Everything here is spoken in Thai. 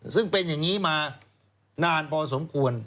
ซึ่งเป็นอย่างนี้มานานพอสมควร